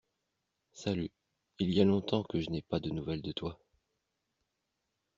Salut, il y a longtemps que je n'ai pas de nouvelles de toi.